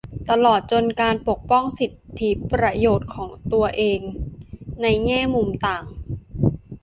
ตลอดจนการปกป้องสิทธิประโยชน์ตัวเองในแง่มุมต่าง